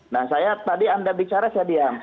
nah saya tadi anda bicara saya diam